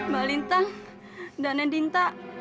mba lintang dan adinta